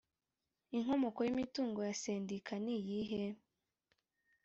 inkomoko y imitungo ya sendika ni iyihe